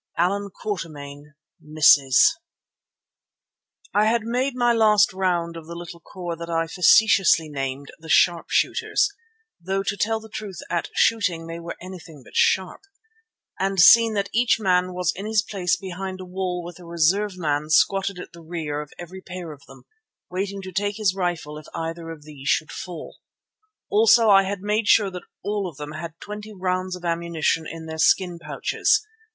ALLAN QUATERMAIN MISSES I had made my last round of the little corps that I facetiously named "The Sharpshooters," though to tell the truth at shooting they were anything but sharp, and seen that each man was in his place behind a wall with a reserve man squatted at the rear of every pair of them, waiting to take his rifle if either of these should fall. Also I had made sure that all of them had twenty rounds of ammunition in their skin pouches.